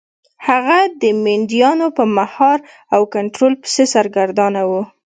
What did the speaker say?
هغه د مینډیانو په مهار او کنټرول پسې سرګردانه و.